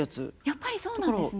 やっぱりそうなんですね。